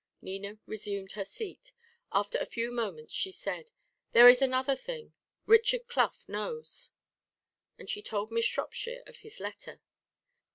Nina resumed her seat. After a few moments she said: "There is another thing: Richard Clough knows." And she told Miss Shropshire of his letter.